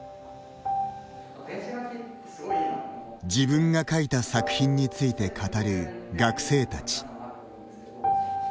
自分が書いた作品について語る学生たち。